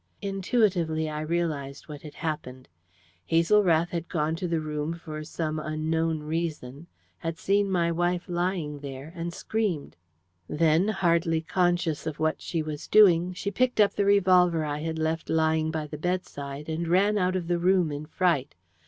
"Intuitively I realized what had happened. Hazel Rath had gone to the room for some unknown reason, had seen my wife lying there, and screamed. Then, hardly conscious of what she was doing, she picked up the revolver I had left lying by the bedside, and ran out of the room in fright.